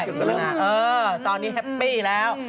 ตอนนี้แฮปปี้แล้ว